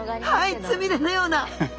はいつみれのような。